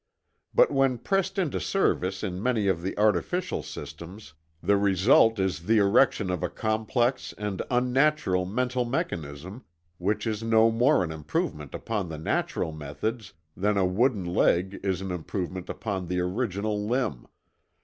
But when pressed into service in many of the artificial systems, the result is the erection of a complex and unnatural mental mechanism which is no more an improvement upon the natural methods, than a wooden leg is an improvement upon the original limb.